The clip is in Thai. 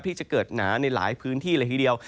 ที่จะเกิดหนาในหลายพื้นที่เลยทีเดียว